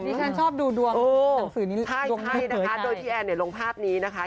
ดิฉันชอบดูดวงหนังสือนี้ลงเผยใจใช่นะคะโดยที่แอนลงภาพนี้นะคะ